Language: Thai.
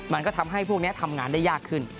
มันก็ทำให้พวกนี้ทำงานได้ยากขึ้น